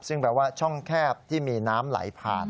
ซึ่งแปลว่าช่องแคบที่มีน้ำไหลผ่าน